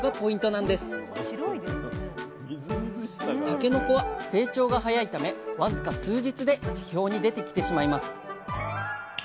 たけのこは成長が早いため僅か数日で地表に出てきてしまいます。